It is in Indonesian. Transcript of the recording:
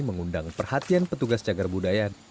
mengundang perhatian petugas jagar budaya